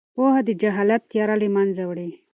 پوهه د جهالت تیاره له منځه وړي.